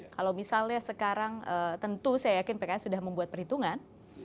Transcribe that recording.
kalau misalnya sekarang tentu saya yakin pks sudah membuat perhitungan